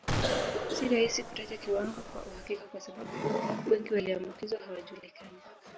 Si rahisi kutaja kiwango kwa uhakika kwa sababu wengi walioambukizwa hawajulikani